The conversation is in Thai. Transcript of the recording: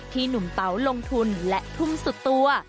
หนุ่มเต๋าลงทุนและทุ่มสุดตัว